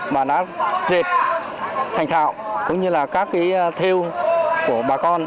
mà đã dệt thành thạo cũng như là các thiếu của bà con